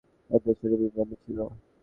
আর ওদের শরীরের অংশ বিকৃত ছিল।